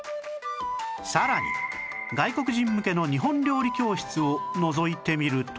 さらに外国人向けの日本料理教室をのぞいてみると